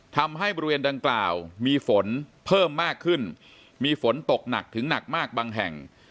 ทำให้บริเวณดังกล่าวมีฝนเพิ่มมากขึ้นมีฝนตกหนักถึงหนักมากบางแห่ง